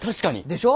でしょ。